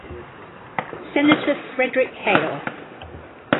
Senator Frederick Hale.